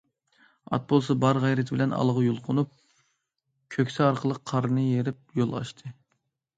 ئات بولسا بار غەيرىتى بىلەن ئالغا يۇلقۇنۇپ، كۆكسى ئارقىلىق قارنى يېرىپ يول ئاچاتتى.